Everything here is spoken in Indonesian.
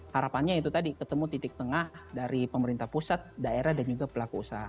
harapannya itu tadi ketemu titik tengah dari pemerintah pusat daerah dan juga pelaku usaha